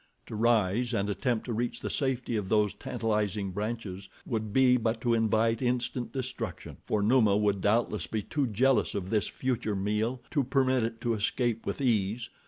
To rise and attempt to reach the safety of those tantalizing branches would be but to invite instant destruction, for Numa would doubtless be too jealous of this future meal to permit it to escape with ease.